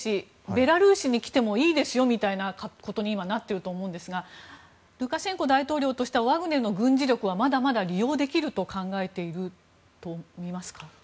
ベラルーシに来てもいいですよみたいなことに今、なってると思うんですがルカシェンコ大統領としてはワグネルの軍事力はまだまだ利用できると考えていると思いますか？